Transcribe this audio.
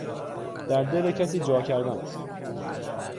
در دل کسی جا کردن